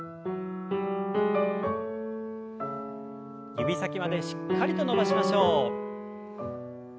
指先までしっかりと伸ばしましょう。